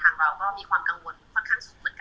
เราก็มีความกังวลค่อนข้างสูงเหมือนกัน